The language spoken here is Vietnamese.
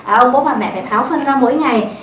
ông bố bà mẹ phải tháo phân ra mỗi ngày